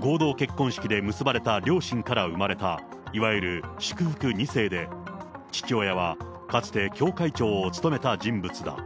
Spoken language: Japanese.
合同結婚式で結ばれた両親から生まれた、いわゆる祝福２世で、父親はかつて、教会長を務めた人物だ。